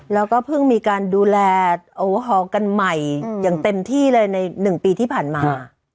แล้วก็เพิ่งมีการดูแลโอฮอล์กันใหม่อย่างเต็มที่เลยใน๑ปีที่ผ่านมา